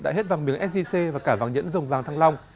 đã hết vàng miếng sgc và cả vàng nhẫn dòng vàng thăng long